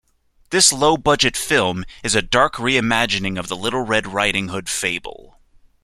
This low-budget film is a dark reimagining of the "Little Red Riding Hood" fable.